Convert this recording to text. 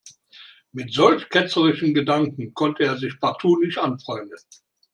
Mit solch ketzerischen Gedanken konnte er sich partout nicht anfreunden.